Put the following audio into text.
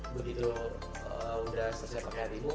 begitu udah selesai pakai hatimu